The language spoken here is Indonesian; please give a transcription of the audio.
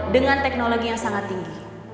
dengan teknologi yang sangat tinggi